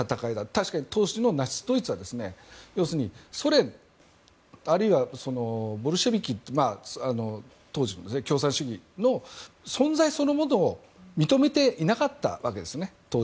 確かに当時のナチス・ドイツは要するにソ連あるいはボルシェビキ当時の共産主義の存在そのものを認めていなかったわけですね。